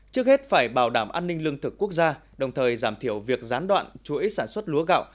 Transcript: trước hết phải bảo đảm an ninh lương thực quốc gia đồng thời giảm thiểu việc gián đoạn chuỗi sản xuất lúa gạo